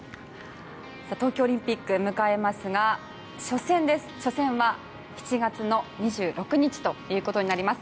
東京オリンピックを迎えますが初戦は７月２６日ということになります。